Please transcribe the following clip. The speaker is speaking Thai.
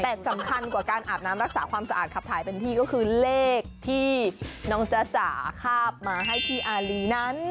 แต่สำคัญกว่าการอาบน้ำรักษาความสะอาดขับถ่ายเป็นที่ก็คือเลขที่น้องจ๊ะจ๋าคาบมาให้พี่อารีนั้น